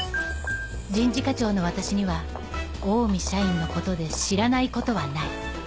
人事課長の私にはオウミ社員のことで知らないことはない